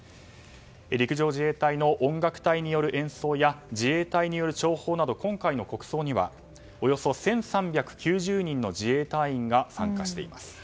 陸上自衛隊の音楽隊による演奏や自衛隊による弔砲など今回の国葬にはおよそ１３９０人の自衛隊員が参加しています。